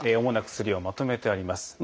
主な薬をまとめてあります。